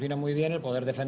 kita berpengaruh di sini